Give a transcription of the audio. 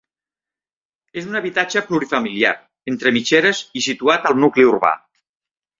És un habitatge plurifamiliar, entre mitgeres i situat all nucli urbà.